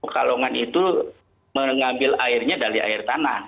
pekalongan itu mengambil airnya dari air tanah